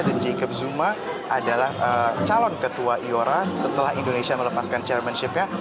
dan jacob zuma adalah calon ketua iora setelah indonesia melepaskan chairmanshipnya